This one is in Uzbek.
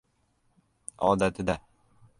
— Odati-da.